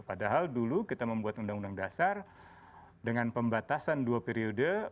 padahal dulu kita membuat undang undang dasar dengan pembatasan dua periode